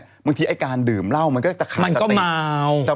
บางทีไอ้กานดืมเล่ามันแกมีปัญหา